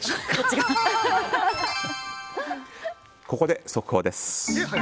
ここで速報です。